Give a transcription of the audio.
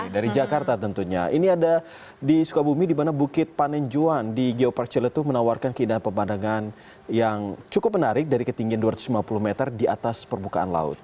dari jakarta tentunya ini ada di sukabumi di mana bukit panenjuan di geopark celetuh menawarkan keindahan pemandangan yang cukup menarik dari ketinggian dua ratus lima puluh meter di atas permukaan laut